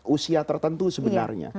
usia tertentu sebenarnya